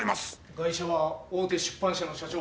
ガイシャは大手出版社の社長。